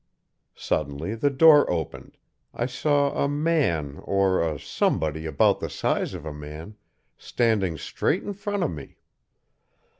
Suddenly the door opened, I saw a man or a somebody about the size of a man, standing straight in front of me.